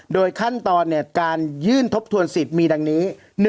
โดยขั้นตอนการยื่นทบทวนสิทธิ์มีดังนี้